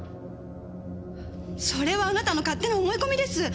それはあなたの勝手な思い込みです。